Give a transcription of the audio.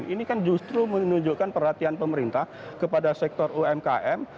ini kan justru menunjukkan perhatian pemerintah kepada sektor umkm